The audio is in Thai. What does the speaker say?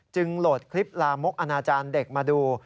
โหลดคลิปลามกอนาจารย์เด็กมาดู